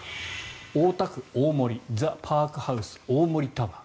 大田区大森ザ・パークハウス大森タワー。